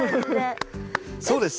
そうです。